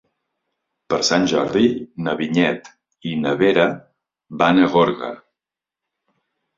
Per Sant Jordi na Vinyet i na Vera van a Gorga.